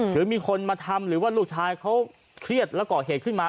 หรือมีคนมาทำหรือว่าลูกชายเขาเครียดแล้วก่อเหตุขึ้นมา